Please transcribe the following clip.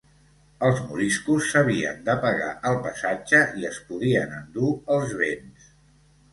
Els moriscos s'havien de pagar el passatge i es podien endur els béns.